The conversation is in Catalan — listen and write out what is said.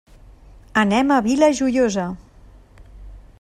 Anem a la Vila Joiosa.